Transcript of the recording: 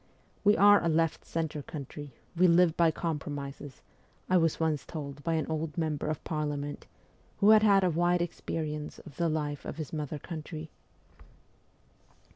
' We are a left centre country, we live by compromises,' I was once told by an old member of Parliament, who had had a wide experience of the life of his mother country.